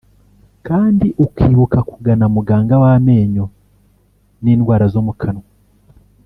kandi ukibuka kugana muganga w’amenyo n’indwara zo mu kanwa